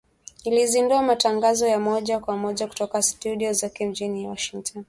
ilizindua matangazo ya moja kwa moja kutoka studio zake mjini Washington